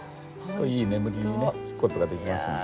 いい眠りにねつく事ができますんで。